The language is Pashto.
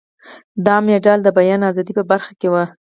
دا مډال د بیان ازادۍ په برخه کې و.